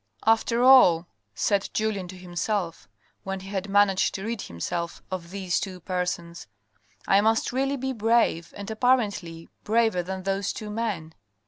" After all," said Julien to himself, when he had managed to rid himself of those two persons, " I must really be brave, and apparently braver than those two men.